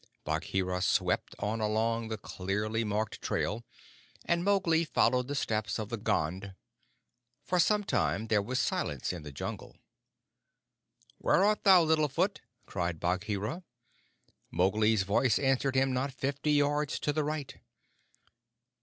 Bagheera swept on along the clearly marked trail, and Mowgli followed the steps of the Gond. For some time there was silence in the Jungle. "Where art thou, Little Foot?" cried Bagheera. Mowgli's voice answered him not fifty yards to the right.